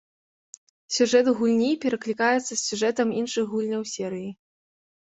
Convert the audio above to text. Сюжэт гульні пераклікаецца з сюжэтам іншых гульняў серыі.